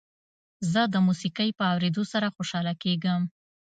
زه د موسیقۍ په اورېدو سره خوشحاله کېږم.